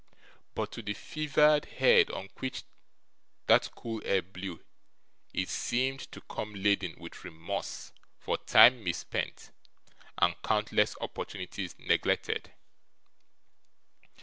But to the fevered head on which that cool air blew, it seemed to come laden with remorse for time misspent and countless opportunities neglected.